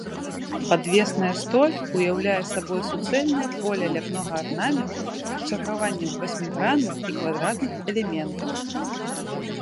Падвесная столь уяўляе сабой суцэльнае поле ляпнога арнаменту з чаргаваннем васьмігранных і квадратных элементаў.